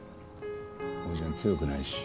おじちゃん強くないし。